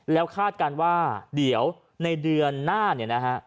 แล้วคาดการณ์ว่าเดี๋ยวในเดือนหน้าเนี่ยนะฮะ